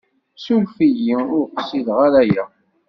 Ssuref-iyi. Ur qsideɣ ara aya.